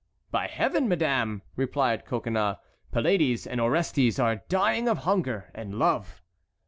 "By Heaven! madame," replied Coconnas, "Pylades and Orestes are dying of hunger and love."